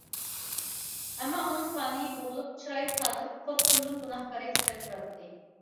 ئەمما، ئۇنىڭ كانىيى بوغۇلۇپ، چىرايى تاتىرىپ، قورققىنىدىن گۇناھكاردەك تىترەپ تۇراتتى.